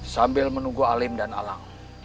sambil menunggu alim dan alang